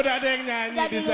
tidak ada yang nyanyi di sana